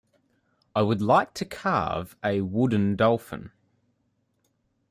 I would like to carve a wooden dolphin.